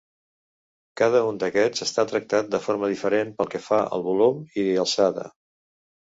Cada un d'aquests està tractat de forma diferent pel que fa al volum i alçada.